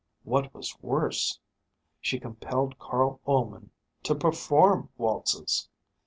What was worse, she compelled Carl Ullman to perform waltzes.